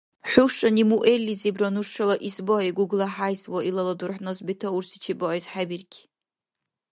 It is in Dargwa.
ХӀушани муэрлизибра нушала исбагьи ГуглахӀяйс ва илала дурхӀнас бетаурси чебаэс хӀебирки.